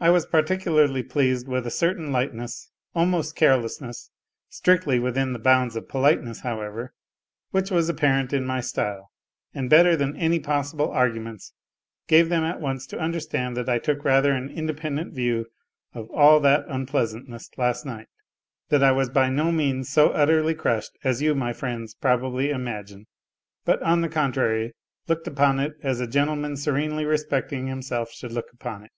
I was particularly pleased with a certain lightness, almost carelessness (strictly within the bounds of polite ness, however), which was apparent in my style, and better than any possible arguments, gave them at once to understand that I took rather an independent view of "all that unpleasantness last night ;" that I was by no means so utterly crushed as you, my friends, probably imagine ; but on the contrary, looked upon it as a gentleman serenely respecting himself should look upon it.